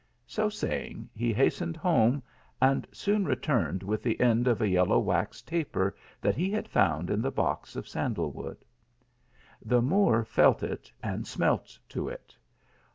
So saying he hastened home, and soon returned with the end of a yellow wax taper that he had found in the box of sandal wood. The Moor felt it, and smelt to it.